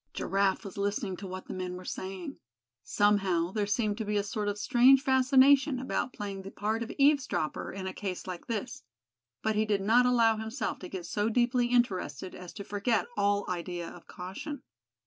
Giraffe was listening to what the men were saying. Somehow there seemed to be a sort of strange fascination about playing the part of eavesdropper in a case like this. But he did not allow himself to get so deeply interested as to forget all idea of caution.